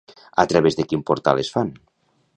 A través de quin portal es fan?